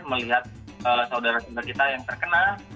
melihat saudara saudara kita yang terkena